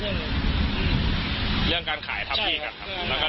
เรื่องการขายทัพที่กัน